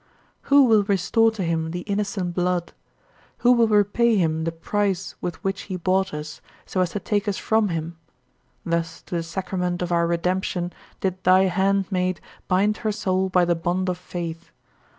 Who will restore to him the innocent blood? Who will repay him the price with which he bought us, so as to take us from him? Thus to the sacrament of our redemption did thy hand maid bind her soul by the bond of faith.